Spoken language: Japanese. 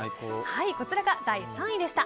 こちらが第３位でした。